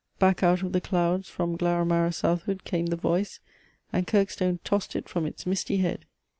back out of the clouds From Glaramara southward came the voice: And Kirkstone tossed it from its misty head!"